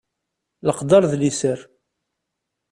Leqder d liser.